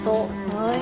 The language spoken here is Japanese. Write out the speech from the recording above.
はい。